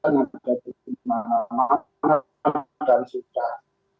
nah dan sudah